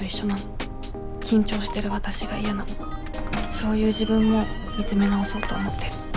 そういう自分も見つめ直そうと思ってる。